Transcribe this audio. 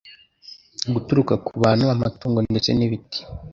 guturuka ku bantu, amatungo ndetse n'ibiti